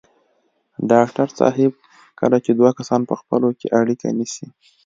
ډاکټر صاحب کله چې دوه کسان په خپلو کې اړيکې نیسي.